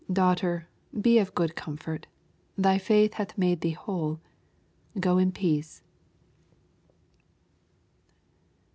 Daughter, be of good comfort : thy faith hath made thee whole ; go in peace.